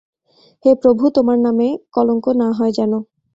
হে প্রভু, তোমার নামে কলঙ্ক না হয় যেন!